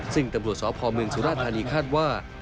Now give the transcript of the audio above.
ซึ่งตำรวจสพเมืองสุราธานีคาดว่า